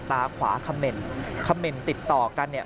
ตาขวาคำเมนต์คำเหม็นติดต่อกันเนี่ย